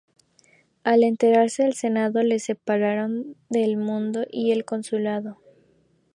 Al enterarse el Senado, le separaron del mando y el consulado.